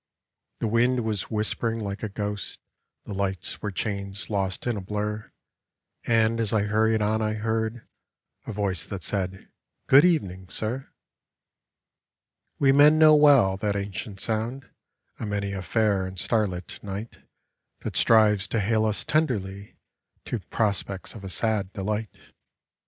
The wind was whispering like a ghost, The lights were chains lost in a blur; And as I hurried on I heard A voice that said, " Good evening, sir I " We men know well that ancient sound On many a fair and starlit night, That strives to hail us tenderly To prospects of a sad delight.